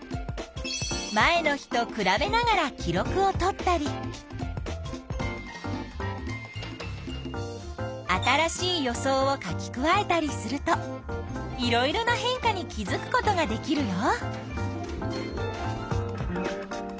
前の日とくらべながら記録をとったり新しい予想を書き加えたりするといろいろな変化に気づくことができるよ。